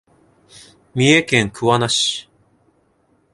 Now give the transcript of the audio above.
三重県桑名市